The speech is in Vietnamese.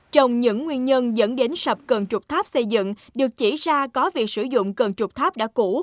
trong những nguyên nhân dẫn đến sập cân trục tháp xây dựng được chỉ ra có việc sử dụng cân trục tháp đã cũ